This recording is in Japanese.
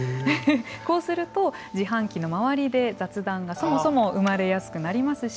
こうすると自販機の周りで雑談が、そもそも生まれやすくなりますし。